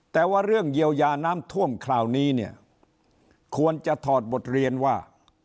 แต่ว่าเรื่องเยียวยาน้ำท่วมคราวนี้เนี่ยควรจะถอดบทเรียนว่า